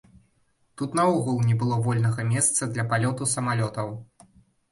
Тут наогул не было вольнага месца для палёту самалётаў.